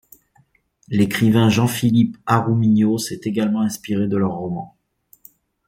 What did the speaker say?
L'écrivain Jean-Philippe Arrou-Vignod s'est également inspiré de leurs romans.